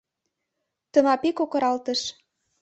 — Тымапи кокыралтыш.